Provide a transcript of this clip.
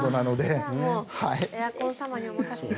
じゃあエアコン様にお任せして。